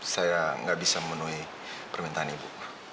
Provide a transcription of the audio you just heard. saya nggak bisa memenuhi permintaan ibu